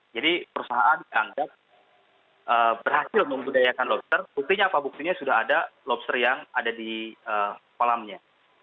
jadi perusahaan dianggap berhasil membudayakan lobster buktinya apa buktinya sudah ada lobster yang ada di kolamnya